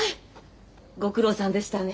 ご苦労さんでしたね。